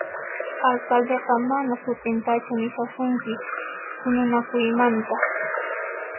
Alcaldeqa manan sut'intachu nishasunkis huñunakuymanta